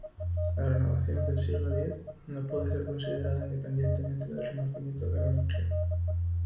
La renovación del siglo X no puede ser considerada independientemente del renacimiento carolingio.